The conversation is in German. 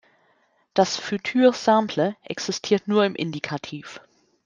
Das "futur simple" existiert nur im Indikativ.